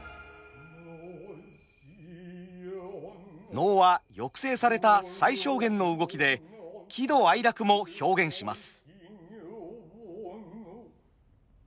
能は抑制された最小限の動きで喜怒哀楽も表現します。